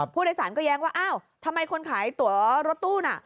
ผู้โดยสารก็แย้งว่าอ้าวทำไมคนขายตัวรถตู้น่ะ